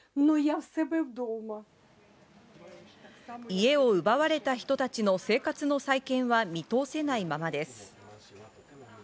家を奪われた人たちの生活の再建は見通せないままです。